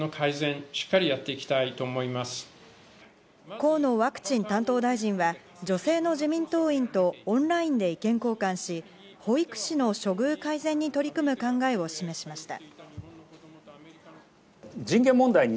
河野ワクチン担当大臣は女性の自民党員とオンラインで意見交換し保育士の処遇改善に取り組む考えを示しました。